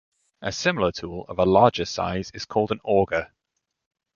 A similar tool of larger size is called an auger.